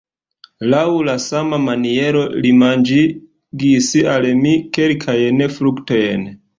Laŭ la sama maniero li manĝigis al mi kelkajn fruktojn.